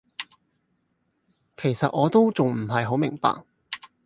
其實我都仲唔係好明白